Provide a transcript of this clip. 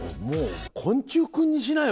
「昆虫クン」にしなよ